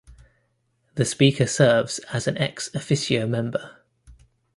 The speaker serves as an ex officio member.